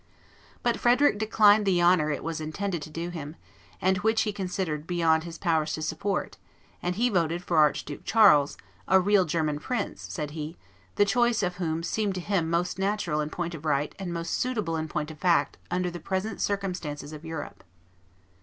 But Frederick declined the honor it was intended to do him, and which he considered beyond his powers to support; and he voted for Archduke Charles, "a real German prince," said he, "the choice of whom seemed to him most natural in point of right and most suitable in point of fact under the present circumstances of Europe."